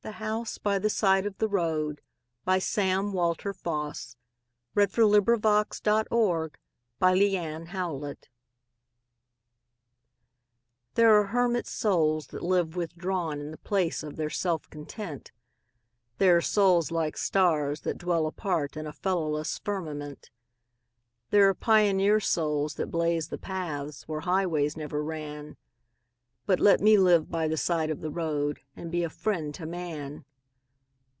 C D . E F . G H . I J . K L . M N . O P . Q R . S T . U V . W X . Y Z The House by the Side of the Road THERE are hermit souls that live withdrawn In the place of their self content; There are souls like stars, that dwell apart, In a fellowless firmament; There are pioneer souls that blaze the paths Where highways never ran But let me live by the side of the road And be a friend to man.